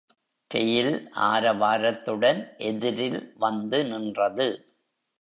Rail ஆரவாரத்துடன் எதிரில் வந்து நின்றது.